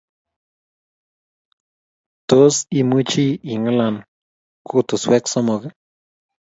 Tos imuchi ing'alan koteswek somok